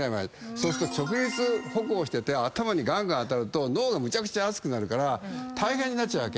そうすると直立歩行してて頭にがんがん当たると脳がむちゃくちゃ熱くなるから大変になっちゃうわけ。